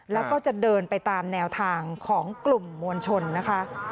แล้วก็จะเดินไปตามแนวทางของกลุ่มมวลชนนะคะ